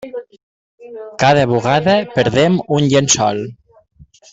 Cada bugada perdem un llençol.